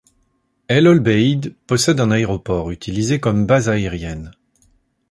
El Obeid possède un aéroport utilisé comme base aérienne.